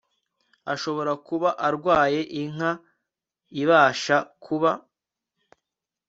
Ashobora kuba arwaye Inka ibasha kuba